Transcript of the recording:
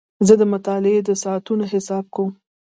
زه د مطالعې د ساعتونو حساب کوم.